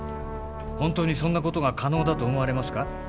本当にそんなことが可能だと思われますか？